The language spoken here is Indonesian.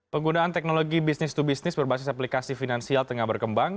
penggunaan teknologi bisnis to bisnis berbasis aplikasi finansial tengah berkembang